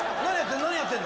何やってんだ？